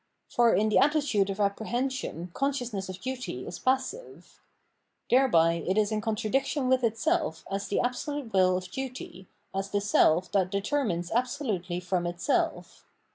For in the attitude of apprehension consciousness of duty is passive. Thereby it is in contradiction with itself as the absolute will of duty, as the self that determines absolutely from itself.